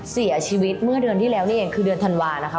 เสียชีวิตเมื่อเดือนที่แล้วนี่เองคือเดือนธันวานะคะ